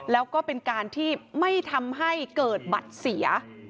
แล้วก็เป็นการที่ไม่ทำให้เกิดบัตรเสีย